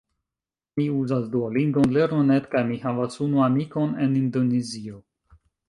Mi uzas Duolingon, Lernu.net kaj mi havas unu amikon en Indonezio